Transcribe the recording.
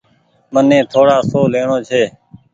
مني ٿوڙآ سون ليڻو ڇي۔